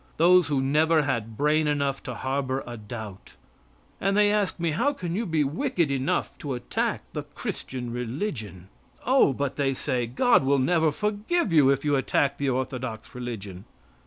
Those who never had brain enough to harbor a doubt. And they ask me: How can you be wicked enough to attack the Christian religion? "Oh," but they say, "God will never forgive you if you attack the orthodox religion."